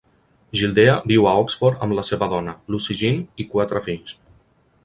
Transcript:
Gildea viu a Oxford amb la seva dona, Lucy-Jean, i quatre fills.